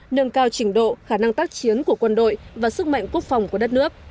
nâng cao trình độ khả năng tác chiến của quân đội và sức mạnh quốc phòng của đất nước